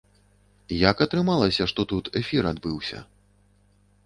Як атрымалася, што тут эфір адбыўся?